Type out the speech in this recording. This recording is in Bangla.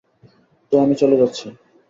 তো আমি চলে যাচ্ছি।